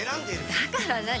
だから何？